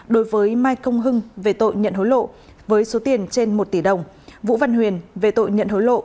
đối với mai công hưng về tội nhận hối lộ với số tiền trên một tỷ đồng vũ văn huyền về tội nhận hối lộ